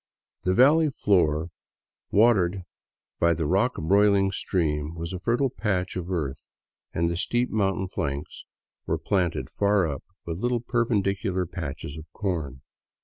The valley floor, watered by the rock broiling stream, was a fertile patch of earth, and the steep moun tain flanks were planted far up with little perpendicular patches of corn.